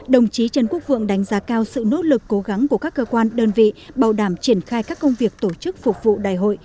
đồng chí trần quốc vượng đánh giá cao sự nỗ lực cố gắng của các cơ quan đơn vị bảo đảm triển khai các công việc tổ chức phục vụ đại hội